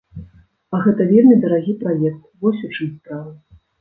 А гэта вельмі дарагі праект, вось у чым справа!